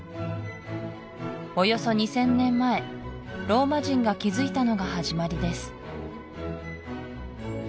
およそ２０００年前ローマ人が築いたのが始まりです